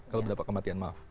kalau berdapat kematian maaf